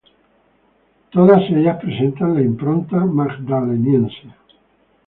Todas ellas presentan la impronta magdaleniense.